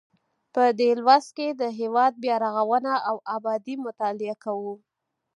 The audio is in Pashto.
په دې لوست کې د هیواد بیا رغونه او ابادي مطالعه کوو.